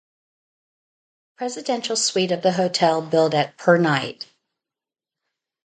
The presidential suite of the hotel billed at per night.